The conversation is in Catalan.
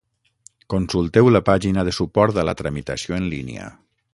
Consulteu la pàgina de suport a la tramitació en línia.